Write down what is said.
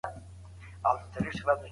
د ناروغۍ پر مهال ډاکټر ته لاړ شئ.